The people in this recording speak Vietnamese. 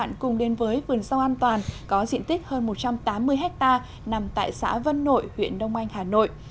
bạn cùng đến với vườn rau an toàn có diện tích hơn một trăm tám mươi hectare nằm tại xã vân nội huyện đông anh hà nội